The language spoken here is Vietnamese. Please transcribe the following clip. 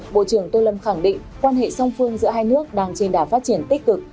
bộ trưởng tô lâm khẳng định quan hệ song phương giữa hai nước đang trên đà phát triển tích cực